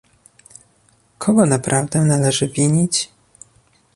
kogo naprawdę należy winić?